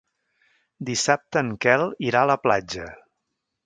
Dissabte en Quel irà a la platja.